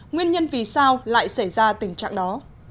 nguyên nhân vì sao lại xảy ra tình trạng đó